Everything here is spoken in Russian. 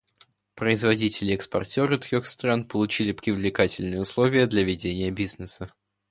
Производители-экспортеры трех стран получили привлекательные условия для ведения бизнеса.